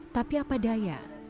tapi apa daya